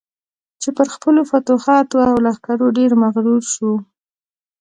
چې پر خپلو فتوحاتو او لښکرو ډېر مغرور شو.